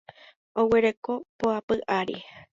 Oguereko poapy ary.